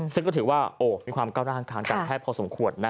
ซึ่งก็ถือว่ามีความเก้าหน้าทางการแทบพอสมควร